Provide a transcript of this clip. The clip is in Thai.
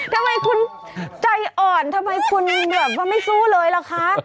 ทำไมคุณใจอ่อนทำไมคุณแบบว่าไม่สู้เลยล่ะคะ